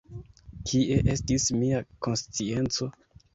Kie estis mia konscienco!